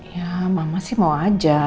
ya mama sih mau aja